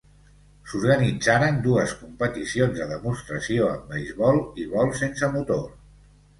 S'organitzaren dues competicions de demostració en beisbol i vol sense motor.